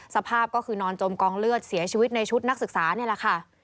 สภาพก็คือนอนจมกองเลือดเสียชีวิตในชุดนักศึกษานี่แหละค่ะ